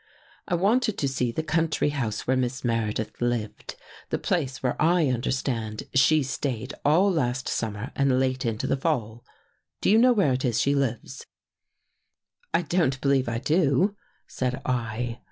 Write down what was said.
I wanted to see the country house where Miss Meredith lived — the place where I understand she stayed all last summer and late into the fall. Do you know where it is she lives? " I don't believe I do," said I.